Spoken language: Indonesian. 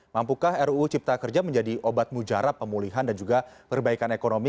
mampukah ruu cipta kerja menjadi obat mujarab pemulihan dan juga perbaikan ekonomi